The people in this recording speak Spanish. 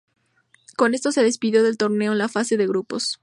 Con esto se despidió del torneo en la fase de grupos.